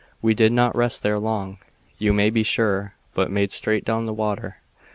We did not rest there long, you may be sure, but made straight down to the water.